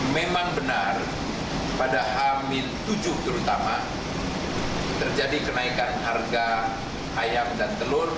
memang benar pada hamin tujuh terutama terjadi kenaikan harga ayam dan telur